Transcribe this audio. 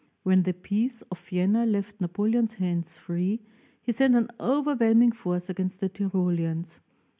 When the Peace of Vienna. left Napoleon's hands free, he sent an overwhelming force against the Tyroleans.